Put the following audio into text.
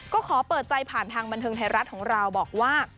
ก็ขอเปิดใจผ่านทางบันเทิงไทยรัฐของเราบอกว่า